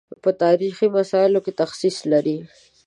په تاریخي مسایلو کې تخصص لري.